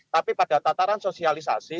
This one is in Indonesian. tapi pada tataran sosialisasi